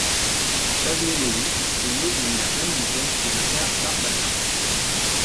Shaznay Lewis est née d'une mère jamaïcaine et d'un père barbadien.